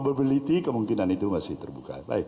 mobility kemungkinan itu masih terbuka